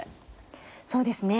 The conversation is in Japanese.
そうですね